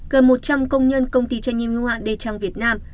gần một trăm linh công nhân công ty tranh nhiên hữu hạn đề trang việt nam